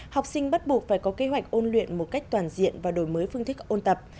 học sinh bắt buộc phải có kế hoạch ôn luyện một cách toàn diện và đổi mới phương thức ôn tập